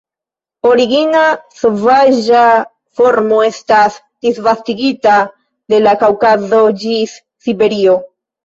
La origina sovaĝa formo estas disvastigita de la Kaŭkazo ĝis Siberio.